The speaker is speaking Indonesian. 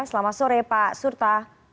selamat sore pak surta